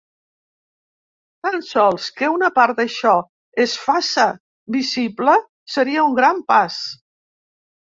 Tan sols que una part d’això es faça visible seria un gran pas.